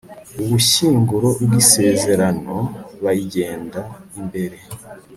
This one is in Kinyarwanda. ubushyinguro bw'isezerano bayigenda imbere